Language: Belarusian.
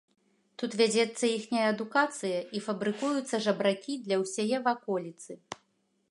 Тут вядзецца іхняя адукацыя і фабрыкуюцца жабракі для ўсяе ваколіцы.